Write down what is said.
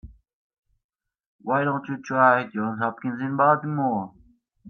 Why don't you try Johns Hopkins in Baltimore?